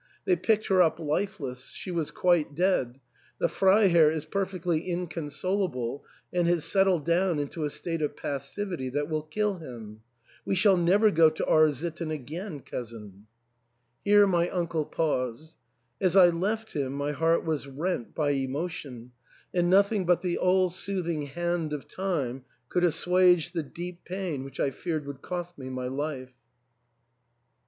They picked her up lifeless — she was quite dead. The Freiherr is perfectly incon solable, and has settled down into a state of passivity that will kill him. We shall never go to R — sitten again, cousin !" Here my uncle paused. As I left him my heart was rent by emotion ; and nothing but the all soothing hand of Time could assuage the deep pain which I feared would cost me my life.